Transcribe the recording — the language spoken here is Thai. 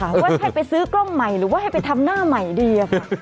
ว่าให้ไปซื้อกล้องใหม่หรือว่าให้ไปทำหน้าใหม่ดีค่ะ